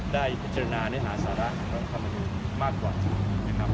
ได้เจรินาในหาศาละความคำวอยดูมากกว่า